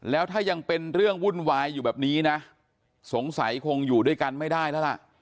แล้วถ้ายังเป็นเรื่องวุ่นวายอยู่แบบนี้นะสงสัยคงอยู่ด้วยกันไม่ได้แล้วล่ะ